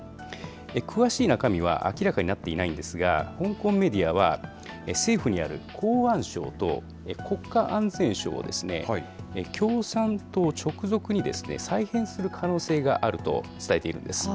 詳しい中身は明らかになっていないんですが、香港メディアは、政府にある公安省と国家安全省を、共産党直属に再編する可能性があると伝えているんです。